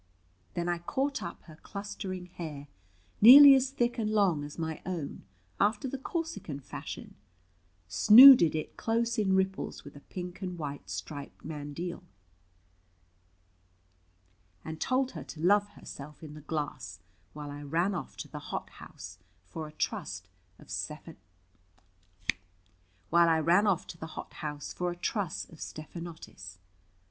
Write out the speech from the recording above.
Then I caught up her clustering hair, nearly as thick and long as my own, after the Corsican fashion, snooded it close in ripples with a pink and white striped mandile, and told her to love herself in the glass, while I ran off to the hot house for a truss of Stephanotis.